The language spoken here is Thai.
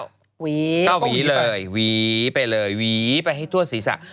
ต้องวีไปเลยวีไปเลยวีไปให้ทั่วสีสัก